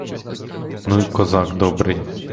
Ну й козак добрий!